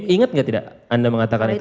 ingat nggak anda mengatakan itu